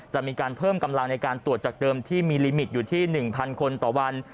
จะมีการเพิ่มกำลังในการตรวจจากเดิมที่มีลิมิตอยู่ที่๑๐๐คนต่อวัน